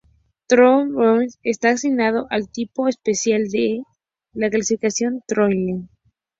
Tchaikovsky está asignado al tipo espectral D de la clasificación Tholen.